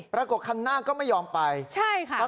ปรากฎขันหน้าก็ไม่ยอมไปใช่ค่ะ